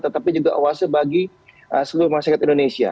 tetapi juga oase bagi seluruh masyarakat indonesia